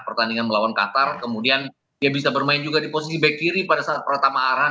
pertandingan melawan qatar kemudian dia bisa bermain juga di posisi back kiri pada saat pertama arah